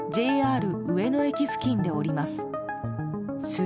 ＪＲ上野駅付近で降ります。